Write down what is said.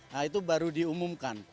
nah itu baru diumumkan